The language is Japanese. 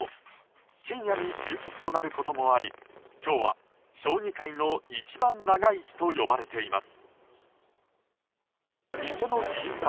深夜に終局となることもあり今日は将棋界の一番長い日と呼ばれています。